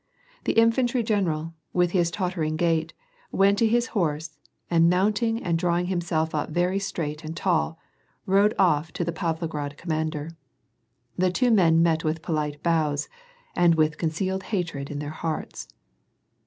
The infantry general, with his tottering g^t< went to his horse, and mounting and drawing himself up very straight and tall, rode off to the Pavlograd commander. The two men met with polite bows, and with concealed hatred in their hearts.